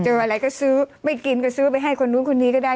เจออะไรก็ซื้อไม่กินก็ซื้อไปให้คนนู้นคนนี้ก็ได้